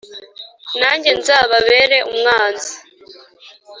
Nanjye nzababera umwanzi